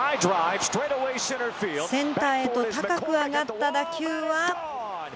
センターへと高く上がった打球は。